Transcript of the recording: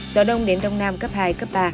gió đông đến đông nam cấp hai cấp ba